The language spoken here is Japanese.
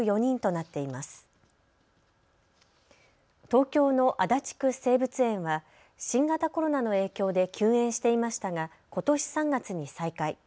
東京の足立区生物園は新型コロナの影響で休園していましたがことし３月に再開。